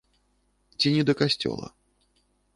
Ці не да касцёла.